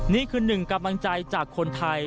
นี่คือหนึ่งกำลังใจจากคนไทย